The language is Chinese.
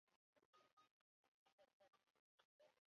氢化铟锂的还原性介于硼氢化锂和氢化铝锂之间。